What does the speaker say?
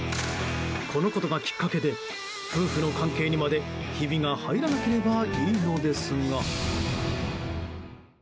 このことがきっかけで夫婦の関係にまでひびが入らなければいいのですが。